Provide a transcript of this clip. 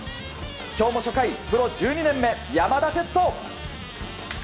今日も初回プロ１２年目、山田哲人。